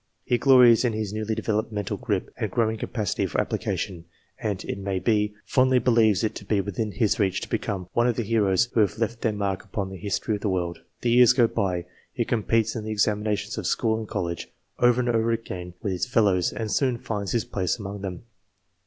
He glories in his newly developed mental grip and growing capacity for application, and, it may be, fondly believes it to be within his reach to become one of the heroes who have left their mark upon the history of the world. The years go by ; he competes in the examinations of school and college, over and over again with his fellows, and soon finds his place among them.